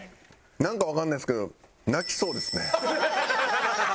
なんかわかんないですけど泣きそうですね。